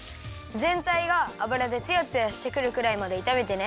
ぜんたいがあぶらでツヤツヤしてくるくらいまでいためてね。